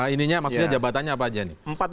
ininya maksudnya jabatannya apa aja nih